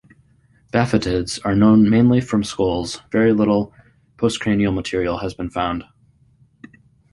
Baphetids are known mainly from skulls; very little postcranial material has been found.